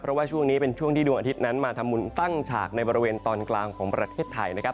เพราะว่าช่วงนี้เป็นช่วงที่ดวงอาทิตย์นั้นมาทำบุญตั้งฉากในบริเวณตอนกลางของประเทศไทยนะครับ